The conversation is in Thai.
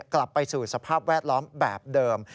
กลับไปสู่สภาพแวดล้อมแบบเดิม